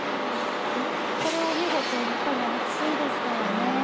これはお見事、やっぱり暑いですからね。